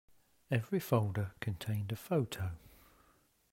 Every folder contained a photo.